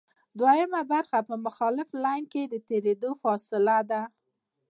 دوهمه برخه په مخالف لین کې د تېرېدو فاصله ده